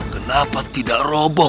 kenapa tidak roboh